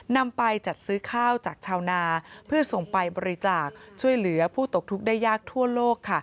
นำไปจัดซื้อข้าวจากชาวนาเพื่อส่งไปบริจาคช่วยเหลือผู้ตกทุกข์ได้ยากทั่วโลก